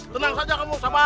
tenang saja kamu sabar